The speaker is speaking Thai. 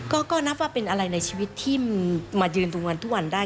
ก็นับว่าเป็นอะไรในชีวิตที่มายืนตรงนั้นทุกวันได้